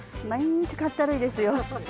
毎日かったるいですよ。